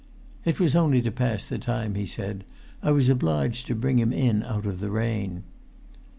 "It was only to pass the time," he said. "I was obliged to bring him in out of the rain."